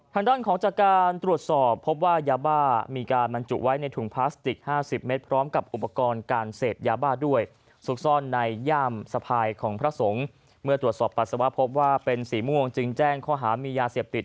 ทางด้านของจากการตรวจสอบพบว่ายาบ้ามีการมันจุไว้ในถุงพลาสติกห้าสิบเม็ด